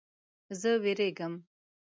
زه ویریږم